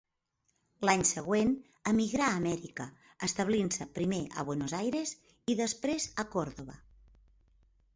L'any següent emigrà a Amèrica, establint-se primer a Buenos Aires i després a Córdoba.